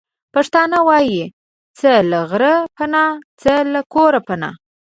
پښتانه وايې:څه له غره پنا، څه له کوره پنا.